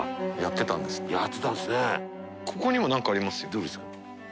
どれですか？